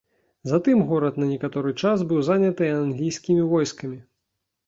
Затым горад на некаторы час быў заняты англійскімі войскамі.